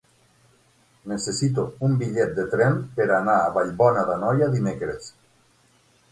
Necessito un bitllet de tren per anar a Vallbona d'Anoia dimecres.